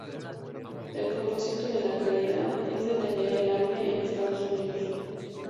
El propósito de la caridad es detener el hambre en Estados Unidos.